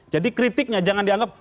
jadi kritiknya jangan dianggap